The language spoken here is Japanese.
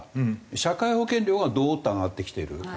社会保険料はドッと上がってきてる。